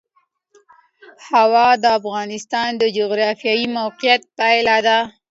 هوا د افغانستان د جغرافیایي موقیعت پایله ده.